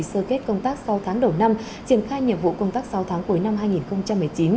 sơ kết công tác sáu tháng đầu năm triển khai nhiệm vụ công tác sáu tháng cuối năm hai nghìn một mươi chín